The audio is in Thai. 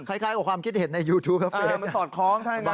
คล้ายคล้ายกว่าความคิดเห็นในยูทูปอ่ามันตอบคล้องถ้าอย่างงั้น